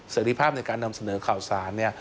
เสร็จภาพในการนำเสนอข่าวสารเนี่ย